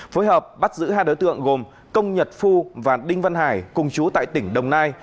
phối hợp bắt giữ hai đối tượng gồm công nhật phu và đinh văn hải cùng chú tại tỉnh đồng nai